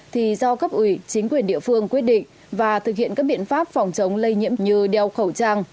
thì do cấp ủy chính quyền địa phương quyết định và thực hiện các biện pháp phòng chống lây nhiễm như đeo khẩu trang